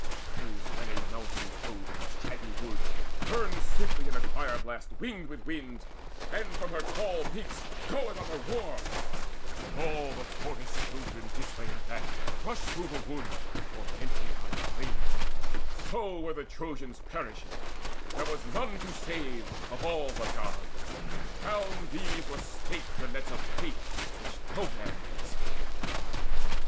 As when a mountain clothed with shaggy woods Burns swiftly in a fire blast winged with winds, And from her tall peaks goeth up a roar, And all the forest children this way and that Rush through the wood, tormented by the flame; So were the Trojans perishing: there was none To save, of all the Gods. Round these were staked The nets of Fate, which no man can escape.